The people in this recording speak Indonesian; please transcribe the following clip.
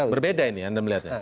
berbeda ini anda melihatnya